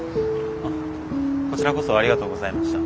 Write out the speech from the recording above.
あこちらこそありがとうございました。